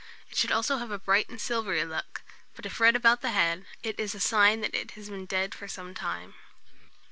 It should also have a bright and silvery look; but if red about the head, it is a sign that it has been dead for some time.